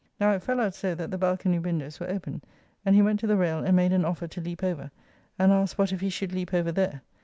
Now it fell out so that the balcone windows were open, and he went to the rayle and made an offer to leap over, and asked what if he should leap over there.